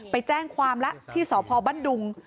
ไปแจ้งความละที่สพบั้นดุง